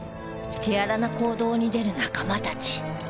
手荒な行動に出る仲間たち